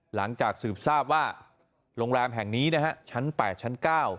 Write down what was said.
หลังจากสืบทราบว่าโรงแรมแห่งนี้นะฮะชั้น๘ชั้น๙